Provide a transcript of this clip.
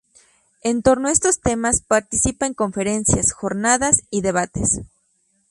En torno a estos temas, participa en conferencias, jornadas y debates.